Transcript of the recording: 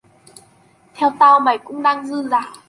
Theo tao mày cũng đang dư dả